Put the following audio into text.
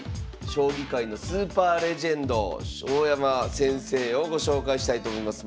将棋界のスーパーレジェンド大山先生をご紹介したいと思います。